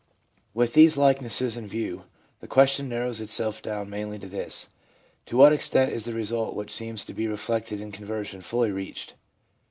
With these likenesses in view, the question narrows itself down mainly to this, To what extent is the result which seems to be reflected in conversion fully reached